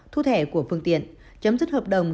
thu thẻ của phương tiện chấm dứt hợp đồng